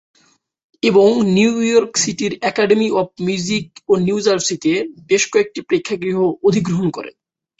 এবং New York সিটির academy of music ও নিউ জার্সিতে বেশ কয়েকটি প্রেক্ষাগৃহ অধিগ্রহণ করেন।